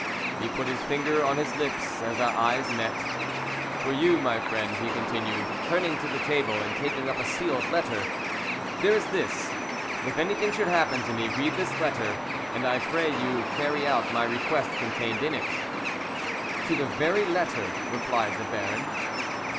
He put his finger on his lips as our eyes met. "For you, my friend," he continued, turning to the table and taking up a sealed letter, "there is this; if anything should happen to me read this letter, and I pray you to carry out my request contained in it." "To the very letter," replied the Baron.